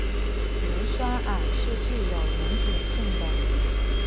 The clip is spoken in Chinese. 壬酸铵是具有溶解性的。